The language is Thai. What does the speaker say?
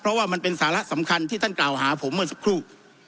เพราะว่ามันเป็นสาระสำคัญที่ท่านกล่าวหาผมเมื่อสักครู่